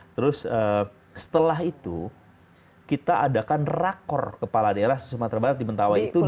terus setelah itu kita adakan rakor kepala daerah sumatera barat di mentawai itu